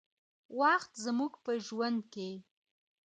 وخت زموږ په ژوند کې